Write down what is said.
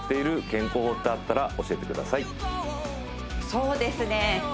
そうですね